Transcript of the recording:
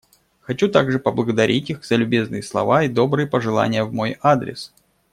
Хочу также поблагодарить их за любезные слова и добрые пожелания в мой адрес.